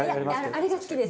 あれが好きです。